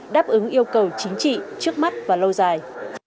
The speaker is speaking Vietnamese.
đáp ứng yêu cầu chính trị trước mắt và lâu dài